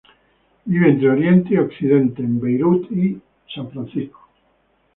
Vive entre Oriente y Occidente, en Beirut y San Francisco.